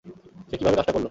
সে কীভাবে কাজটা করল?